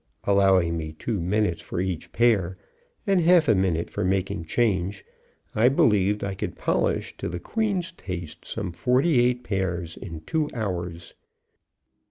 Allowing me two minutes for each pair and half a minute for making change, I believed I could polish to the queen's taste some forty eight pairs in two hours.